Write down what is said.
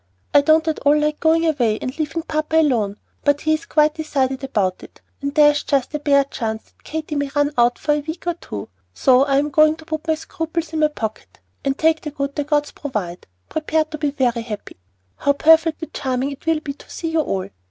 I don't at all like going away and leaving papa alone; but he is quite decided about it, and there is just the bare chance that Katy may run out for a week or two, so I am going to put my scruples in my pocket, and take the good the gods provide, prepared to be very happy. How perfectly charming it will be to see you all!